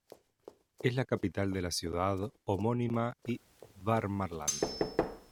Es la capital de la ciudad homónima y Värmland.